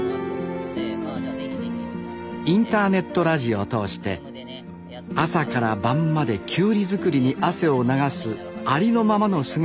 インターネットラジオを通して朝から晩まできゅうり作りに汗を流すありのままの姿を届けています。